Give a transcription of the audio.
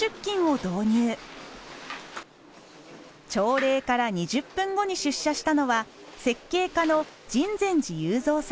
朝礼から２０分後に出社したのは設計課の秦泉寺雄三さん。